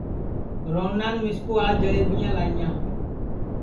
روہنان مِسکُو آج جݪئٻیاں لائیاں